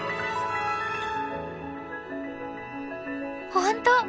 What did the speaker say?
本当！